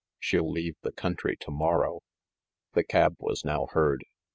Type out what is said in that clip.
She'll leave the country to mor row." The cab was now heard.